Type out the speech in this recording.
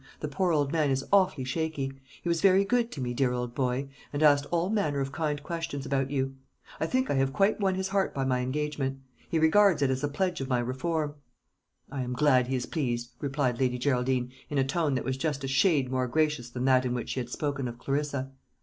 The poor old man is awfully shaky. He was very good to me, dear old boy, and asked all manner of kind questions about you. I think I have quite won his heart by my engagement; he regards it as a pledge of my reform." "I am glad he is pleased," replied Lady Geraldine, in a tone that was just a shade more gracious than that in which she had spoken of Clarissa.